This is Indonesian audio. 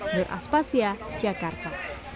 nur aspasya jakarta